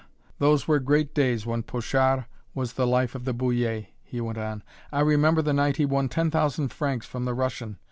those were great days when Pochard was the life of the Bullier," he went on; "I remember the night he won ten thousand francs from the Russian.